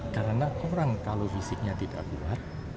karena orang kalau fisiknya tidak kuat